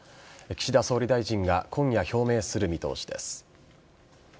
岸田総理大臣が今夜表明する見通しです。